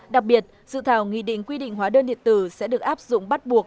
đặc biệt dự thảo nghị định quy định hóa đơn điện tử sẽ được áp dụng bắt buộc